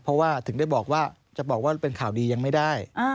เพราะว่าถึงได้บอกว่าจะบอกว่าเป็นข่าวดียังไม่ได้